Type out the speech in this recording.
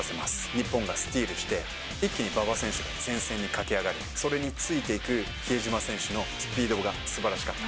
日本がスティールして、一気に馬場選手が前線に駆け上がり、それについていく比江島選手のスピードがすばらしかった。